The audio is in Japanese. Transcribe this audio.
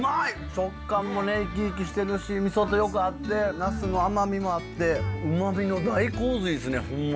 食感もねイキイキしてるし味とよく合ってナスの甘みもあってうまみの大洪水ですねほんま。